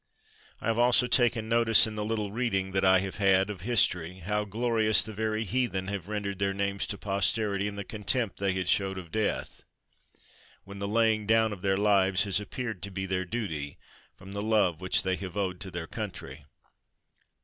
I have also taken notice, in the little reading that I have had of history, how glorious the very heathen have ren dered their names to posterity in the contempt they have showed of death — when the laying down of their lives has appeared to be their duty — from the love which they have owed to their country.